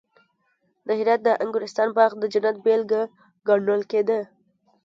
د هرات د انګورستان باغ د جنت بېلګه ګڼل کېده